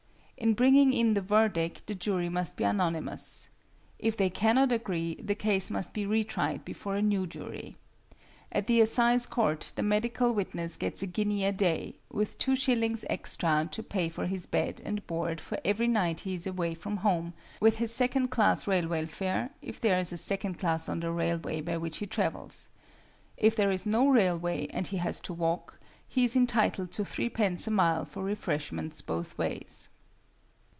In bringing in the verdict the jury must be unanimous. If they cannot agree, the case must be retried before a new jury. At the Assize Court the medical witness gets a guinea a day, with two shillings extra to pay for his bed and board for every night he is away from home, with his second class railway fare, if there is a second class on the railway by which he travels. If there is no railway, and he has to walk, he is entitled to threepence a mile for refreshments both ways.